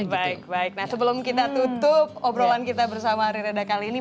baik baik nah sebelum kita tutup obrolan kita bersama ari reda kali ini